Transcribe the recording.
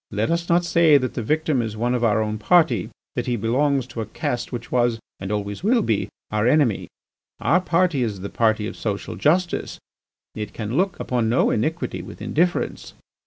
Let us not say that the victim is not one of our own party, that he belongs to a caste which was, and always will be, our enemy. Our party is the party of social justice; it can look upon no iniquity with indifference.